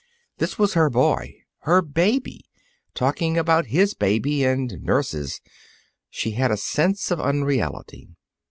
This was her boy, her baby, talking about his baby and nurses. She had a sense of unreality.